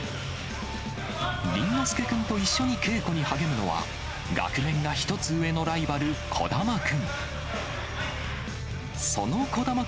倫之亮君と一緒に稽古に励むのは、学年が１つ上のライバル、児玉君。